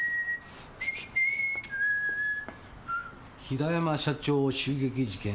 「平山社長襲撃事件